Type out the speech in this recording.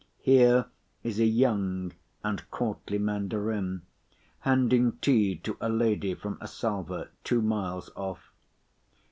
Here is a young and courtly Mandarin, handing tea to a lady from a salver—two miles off.